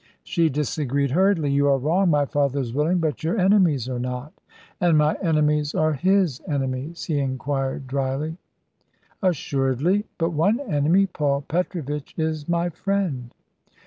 She disagreed, hurriedly. "You are wrong. My father is willing, but your enemies are not." "And my enemies are his enemies?" he inquired dryly. "Assuredly. But one enemy Paul Petrovitch is my friend."